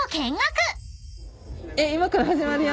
今から始まるよ。